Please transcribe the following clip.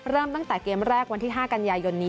เริ่มตั้งแต่เกมแรกวันที่๕กันยายนนี้